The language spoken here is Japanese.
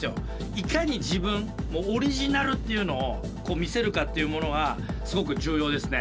いかに自分オリジナルっていうのを見せるかっていうものがすごく重要ですね。